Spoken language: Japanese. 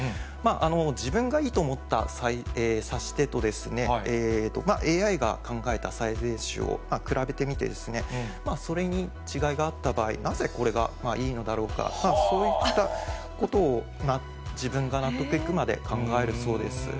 自分がいいと思った指し手と、ＡＩが考えた最善手を比べてみて、それに違いがあった場合、なぜこれがいいのだろうか、そういったことを、自分が納得いくまで考えるそうです。